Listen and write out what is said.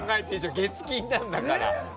月金なんだから。